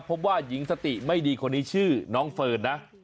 พบว่าหญิงสติไม่ดีคนนี้ชื่อน้องเฟิร์นนะ